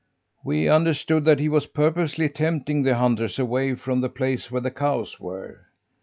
We understood that he was purposely tempting the hunters away from the place where the cows were.